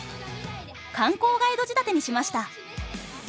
観光ガイド仕立てにしました。